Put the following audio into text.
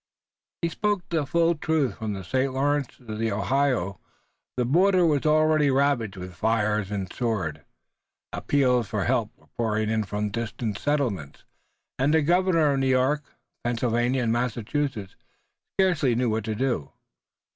He spoke the full truth. From the St. Lawrence to the Ohio the border was already ravaged with fire and sword. Appeals for help were pouring in from the distant settlements, and the governors of New York, Pennsylvania and Massachusetts scarcely knew what to do.